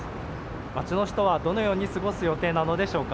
街の人はどのように過ごす予定なのでしょうか。